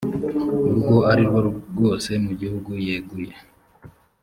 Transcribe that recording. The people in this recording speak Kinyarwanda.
urwo ari rwo rwose mu gihe yeguye